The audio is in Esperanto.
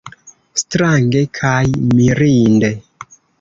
Strange kaj mirinde!